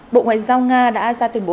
bộ ngoại giao nga đã ra tuyên bố